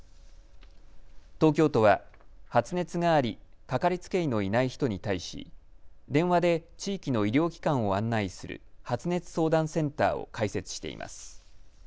東京都は発熱がありかかりつけ医のいない人に対し電話で地域の医療機関を案内する発熱相談センターを開設しています。